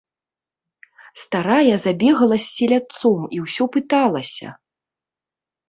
Старая забегала з селядцом і ўсё пыталася.